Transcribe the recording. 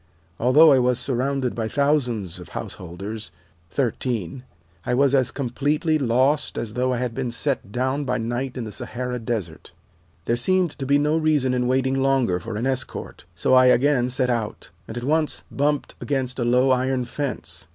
Although I was surrounded by thousands of householders 13 I was as completely lost as though I had been set down by night in the Sahara Desert. There seemed to be no reason in waiting longer for an escort, so I again set out, and at once bumped against a low iron fence.